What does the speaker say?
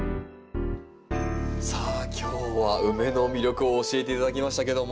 さあ今日はウメの魅力を教えて頂きましたけども。